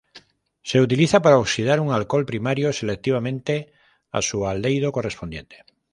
Se utiliza para oxidar un alcohol primario selectivamente a su aldehído correspondiente.